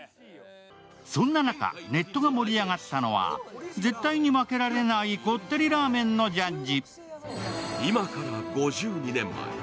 そんな中、ネットが盛り上がったのは絶対に負けられないこってりラーメンのジャッジ。